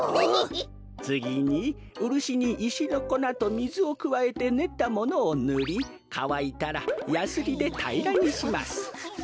つぎにウルシにいしのこなとみずをくわえてねったものをぬりかわいたらやすりでたいらにします。